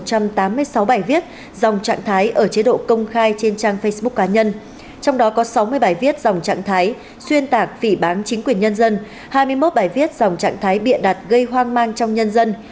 tòa án nhân dân tám mươi sáu bài viết dòng trạng thái ở chế độ công khai trên trang facebook cá nhân trong đó có sáu mươi bài viết dòng trạng thái xuyên tạc phỉ bán chính quyền nhân dân hai mươi một bài viết dòng trạng thái bịa đặt gây hoang mang trong nhân dân